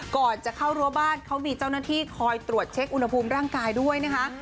ก่อนจะเข้ารั้วบ้านเขามีเจ้าหน้าที่คอยตรวจเช็คอุณหภูมิร่างกายด้วยนะคะ